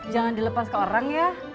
jangan dilepas ke orang ya